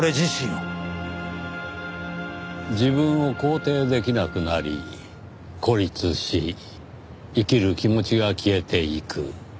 自分を肯定できなくなり孤立し生きる気持ちが消えていく。